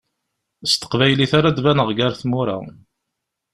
S teqbaylit ara d-baneɣ gar tmura.